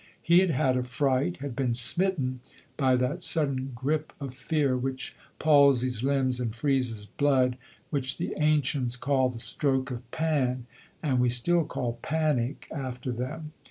He had had a fright, had been smitten by that sudden gripe of fear which palsies limbs and freezes blood, which the ancients called the Stroke of Pan, and we still call Panic after them.